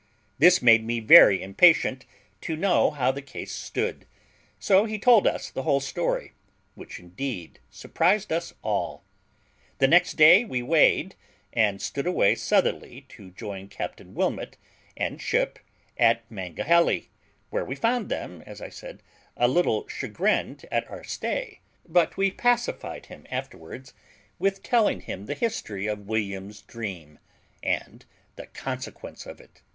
This made me very impatient to know how the case stood; so he told us the whole story, which indeed surprised us all. The next day we weighed, and stood away southerly to join Captain Wilmot and ship at Mangahelly, where we found him, as I said, a little chagrined at our stay; but we pacified him afterwards with telling him the history of William's dream, and the consequence of it.